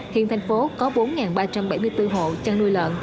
hiện thành phố có bốn ba trăm bảy mươi bốn hộ chăn nuôi lợn